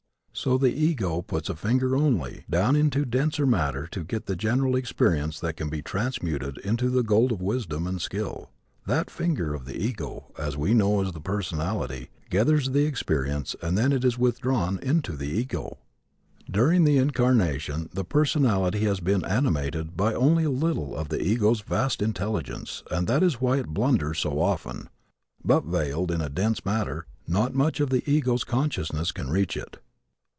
So the ego puts a finger, only, down into denser matter to get the general experience that can be transmuted into the gold of wisdom and skill. That finger of the ego, that we know as the personality, gathers the experience and then it is withdrawn into the ego. During the incarnation the personality has been animated by only a little of the ego's vast intelligence and that is why it blunders so often. But, veiled in dense matter, not much of the ego's consciousness can reach it.